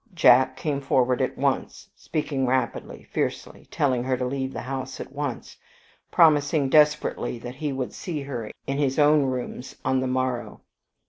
Jack came forward at once, speaking rapidly, fiercely; telling her to leave the house at once; promising desperately that he would see her in his own rooms on the morrow.